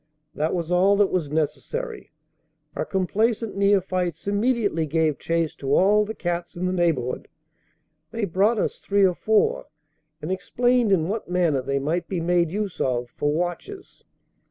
That was all that was necessary; our complaisant neophytes immediately gave chase to all the cats in the neighbourhood. They brought us three or four, and explained in what manner they might be made use of for watches.